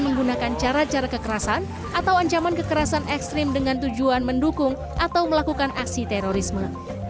menggunakan cara cara kekerasan atau ancaman kekerasan ekstrim dengan tujuan mendukung atau melakukan aksi terorisme